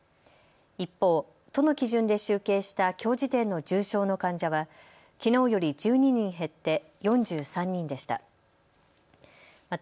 一方、都の基準で集計したきょう時点の重症の患者はきのうより１２人減って４３人でした。